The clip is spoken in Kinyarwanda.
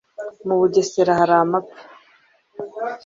mu Bugesera hari amapfa